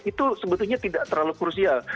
itu sebetulnya tidak terlalu krusial